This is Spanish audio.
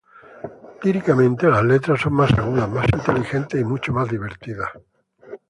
Líricamente, las letras son más agudas, más inteligentes y mucho más divertidas.